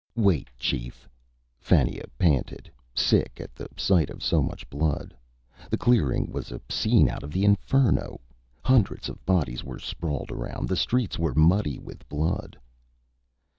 "Wait, Chief," Fannia panted, sick at the sight of so much blood. The clearing was a scene out of the Inferno. Hundreds of bodies were sprawled around. The streets were muddy with blood.